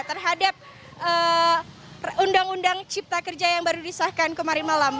terhadap undang undang cipta kerja yang baru disahkan kemarin malam